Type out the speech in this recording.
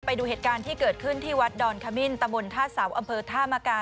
ไปดูเหตุการณ์ที่เกิดขึ้นที่วัดดอนขมิ้นตะบนท่าเสาอำเภอธามกา